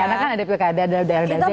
karena kan ada pilkada dan ada daerah daerah